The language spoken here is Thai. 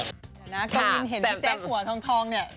กว่างินเห็นพี่แจะหัวทองเนี่ย